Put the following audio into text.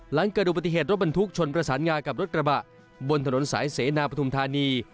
หลังเกิดอุบัติเหตุรถบรรทุกชนประสานงากับรถกระบะบนถนนสายเสนาปฐุมธานี